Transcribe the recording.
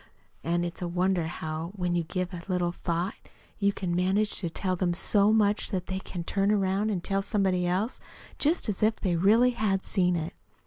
And it's wonderful how, when you give it a little thought, you can manage to tell them so much that they can turn about and tell somebody else, just as if they really had seen it."